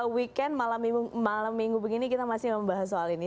weekend malam minggu begini kita masih membahas soal ini